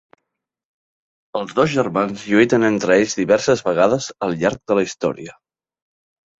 Els dos germans lluiten entre ells diverses vegades al llarg de la història.